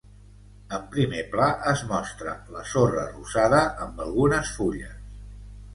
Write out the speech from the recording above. En primer pla es mostra la sorra rosada amb algunes fulles.